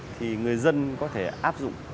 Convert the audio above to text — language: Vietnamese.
thì người dân có thể áp dụng